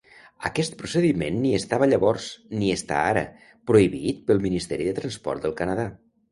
Aquest procediment ni estava llavors, ni està ara, prohibit pel Ministeri de Transport del Canadà.